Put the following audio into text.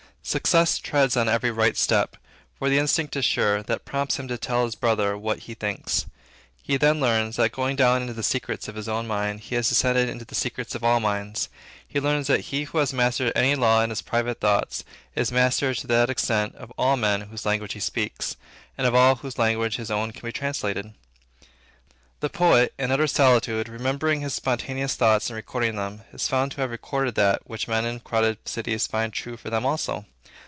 Success treads on every right step. For the instinct is sure, that prompts him to tell his brother what he thinks. He then learns, that in going down into the secrets of his own mind, he has descended into the secrets of all minds. He learns that he who has mastered any law in his private thoughts, is master to that extent of all men whose language he speaks, and of all into whose language his own can be translated. The poet, in utter solitude remembering his spontaneous thoughts and recording them, is found to have recorded that, which men in crowded cities find true for them also.